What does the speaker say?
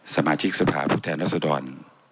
สมารชีสภาบุตรแทนรสวดร